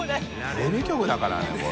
テレビ局だからねこれ。